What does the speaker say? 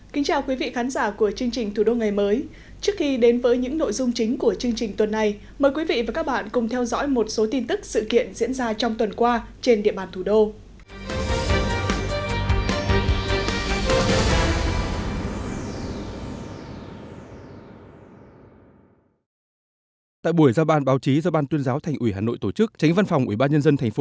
xin chào quý vị khán giả của chương trình thủ đô ngày mới trước khi đến với những nội dung chính của chương trình tuần này mời quý vị và các bạn cùng theo dõi một số tin tức sự kiện diễn ra trong tuần qua trên địa bàn thủ đô